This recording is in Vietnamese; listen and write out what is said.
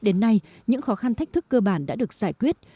đến nay những khó khăn thách thức cơ bản đã được giải quyết